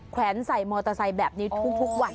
แวนใส่มอเตอร์ไซค์แบบนี้ทุกวัน